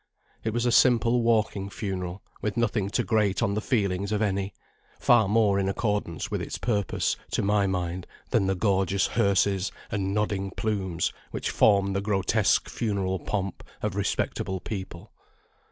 It was a simple walking funeral, with nothing to grate on the feelings of any; far more in accordance with its purpose, to my mind, than the gorgeous hearses, and nodding plumes, which form the grotesque funeral pomp of respectable people.